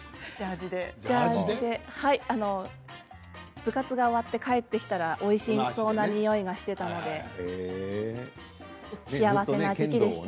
ジャージで部活が終わって帰ってきたらおいしそうなにおいがしていたので幸せな時期でした。